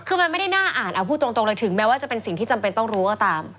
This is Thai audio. คือมันไม่ได้น่าอ่านเอาพูดตรงเลยถึงแม้ว่าจะเป็นสิ่งที่จำเป็นต้องรู้ก็ตาม